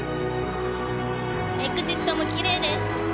イグジットもきれいです。